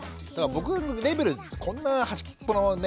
僕レベルこんな端っこのね